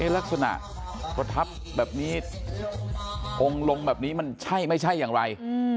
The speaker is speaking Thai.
ลักษณะประทับแบบนี้องค์ลงแบบนี้มันใช่ไม่ใช่อย่างไร